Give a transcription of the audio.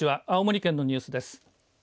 青森県のニュースです。